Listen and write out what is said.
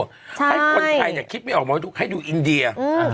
ให้คนไทยคิดไม่ออกมาให้ดูอินเดีย